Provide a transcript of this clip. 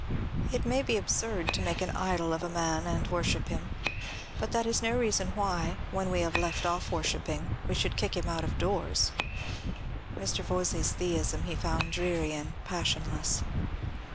It may be absurd to make an idol of a man and worship him. But that is no reason why, when we have left off worshipping, we should kick him out of doors." Mr. Voysey's theism he found ^^ dreary and passionless."